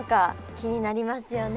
気になりますよね。